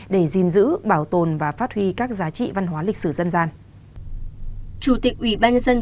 để gìn giữ bảo tồn và phát huy các giá trị văn hóa lịch sử dân gian